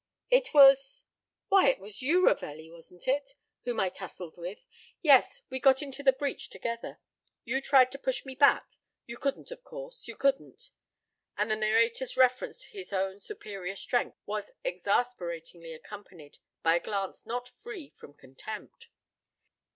It was why, it was you, Ravelli, wasn't it? whom I tussled with. Yes, we got into the breach together. You tried to push me back. You couldn't of course, you couldn't;" and the narrator's reference to his own superior strength was exasperatingly accompanied by a glance not free from contempt.